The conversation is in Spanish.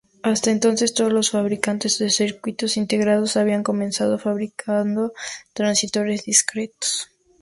Hasta entonces todos los fabricantes de circuitos integrados habían comenzado fabricando transistores discretos.